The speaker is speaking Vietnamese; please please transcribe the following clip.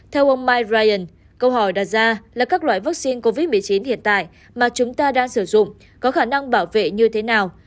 theo ông mike brien câu hỏi đặt ra là các loại vaccine covid một mươi chín hiện tại mà chúng ta đang sử dụng có khả năng bảo vệ như thế nào